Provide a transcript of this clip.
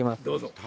どうぞ。